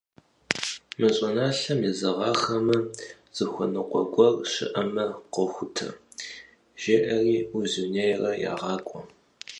Мы щӀыналъэм езэгъахэмэ, зыхуэныкъуэ гуэр щыӀэмэ къэхутэ, - жеӀэри Узуняйла егъакӀуэ.